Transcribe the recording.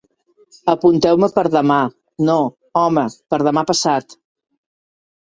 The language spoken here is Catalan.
Apunteu-me per demà, no, home, per demà passat.